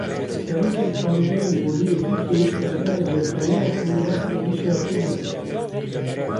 Serokê Karûbarên Olî yê Tirkiyeyê serdana cemxaneya ku rastî êrişê hatibû, kir.